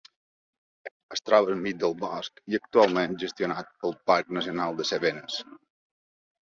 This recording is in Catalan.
Es troba enmig del bosc i actualment és gestionat pel parc nacional de les Cevenes.